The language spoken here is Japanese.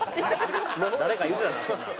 誰か言うてたなそんなん。